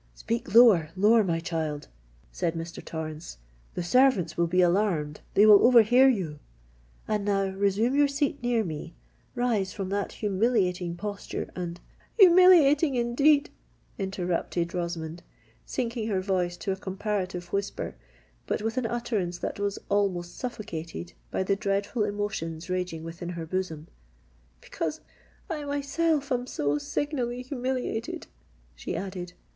"Speak lower—lower, my child," said Mr. Torrens: "the servants will be alarmed—they will overhear you. And now resume your seat near me—rise from that humiliating posture—and——" "Humiliating indeed," interrupted Rosamond, sinking her voice to a comparative whisper, but with an utterance that was almost suffocated by the dreadful emotions raging within her bosom:—"because I myself am so signally humiliated!" she added.